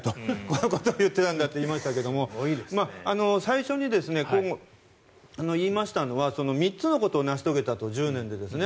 このことを言っていたんだといいましたが最初に言いましたのは３つのことを成し遂げたと１０年で。